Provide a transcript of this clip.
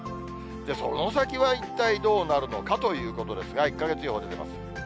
その先は一体どうなるのかということですが、１か月予報出てます。